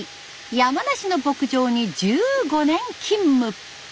山梨の牧場に１５年勤務。